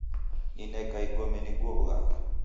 Nineka igome nighuo wughanga